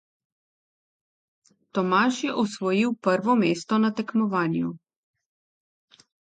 Tomaž je osvojil prvo mesto na tekmovanju.